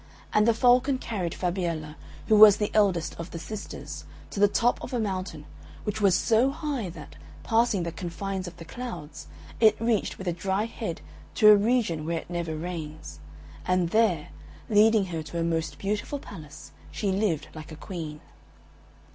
And the Falcon carried Fabiella, who was the eldest of the sisters, to the top of a mountain, which was so high that, passing the confines of the clouds, it reached with a dry head to a region where it never rains; and there, leading her to a most beautiful palace, she lived like a Queen.